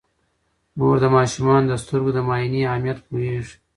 مور د ماشومانو د سترګو د معاینې اهمیت پوهیږي.